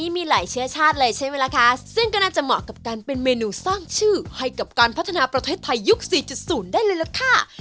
มีหลายเชื้อชาติเลยใช่ไหมล่ะคะซึ่งก็น่าจะเหมาะกับการเป็นเมนูสร้างชื่อให้กับการพัฒนาประเทศไทยยุค๔๐ได้เลยล่ะค่ะ